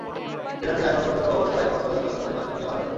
সেখান থেকে আশঙ্কাজনক অবস্থায় কক্সবাজার নেওয়ার পথে মার্কিন মিয়া মারা যান।